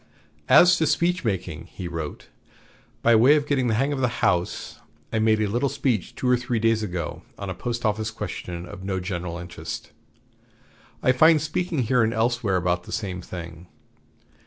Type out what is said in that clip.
"As to speech making," he wrote, "by way of getting the hang of the House, I made a little speech two or three days ago on a post office question of no general interest. I find speaking here and elsewhere about the same thing.